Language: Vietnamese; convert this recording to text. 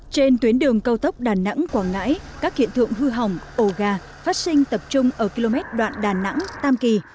trên tuyến đường cao tốc đà nẵng quảng ngãi các hiện tượng hư hỏng ổ gà phát sinh tập trung ở km đoạn đà nẵng tam kỳ